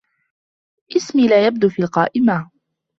اسمي لا يبدو في القائمة.